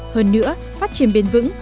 hơn nữa phát triển bền vững